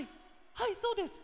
はいそうです！